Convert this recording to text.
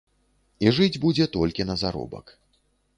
І жыць будзе толькі на заробак.